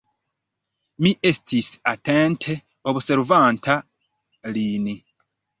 Mi estis atente observanta lin.